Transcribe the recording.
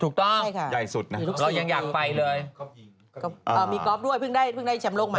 ถูกต้องใหญ่สุดนะเรายังอยากไปด้วยมีกอล์ฟด้วยเพิ่งได้ชำโลกมา